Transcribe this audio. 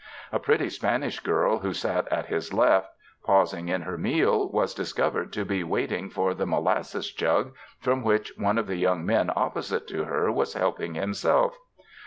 A pretty Spanish girl who sat at his left, pausing in her meal, was dis covered to be waiting for the molasses jug, from which one of the young men opposite to her, was helping himself.